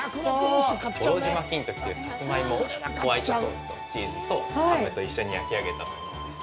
五郎島金時というサツマイモ、ホワイトソースと、チーズとハムと一緒に焼き上げたものです。